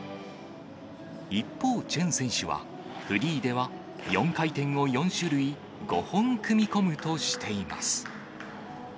一方、チェン選手は、フリーでは、４回転を４種類５本組み込むとしています。